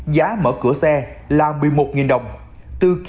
và tài xế taxi đã tắt đồng hồ tính tiền đặt trên xe